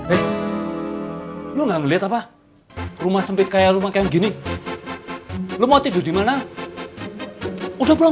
eh lu nggak ngeliat apa rumah sempit kayak lu makanya gini lu mau tidur di mana udah pulang